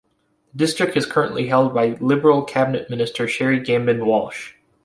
The district is currently held by Liberal Cabinet Minister Sherry Gambin-Walsh.